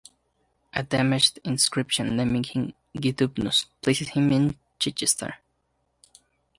A damaged inscription, naming him "..gidubnus", places him in Chichester.